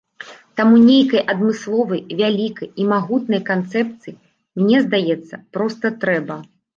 Таму нейкай адмысловай вялікай і магутнай канцэпцыі, мне здаецца, проста трэба.